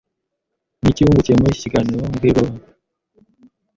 Ni iki wungukiye muri iki kiganiro mbwirwaruhame?